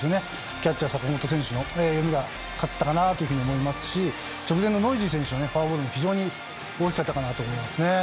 キャッチャー、坂本選手の読みが勝ったかなと思いますし直前のノイジー選手のフォアボールも非常に大きかったと思います。